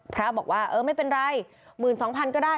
พระบอกว่าเออไม่เป็นไร๑๒๐๐๐ก็ได้